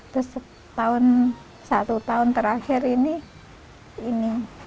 lalu satu tahun terakhir ini